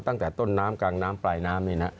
ตั้งแต่ต้นน้ำกลางน้ำปลายน้ำนี่นะ